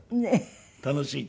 楽しい。